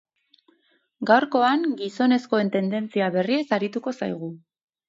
Gaurkoan, gizonezkoen tendentzia berriez arituko zaigu.